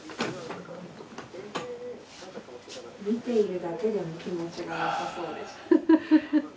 見ているだけでも気持ちがよさそうでした。